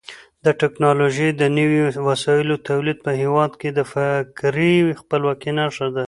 د ټکنالوژۍ د نویو وسایلو تولید په هېواد کې د فکري خپلواکۍ نښه ده.